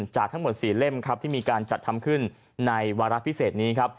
จากทั้งหมด๔เล่มครับที่มีการจัดทำขึ้นในวาระพิเศษนี้ครับ